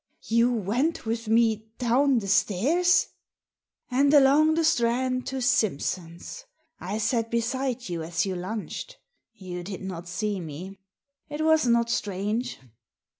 " You went with me down the stairs !" *'And along the Strand, to Simpson's. I sat beside you as you lunched — you did not see me. It was not strange.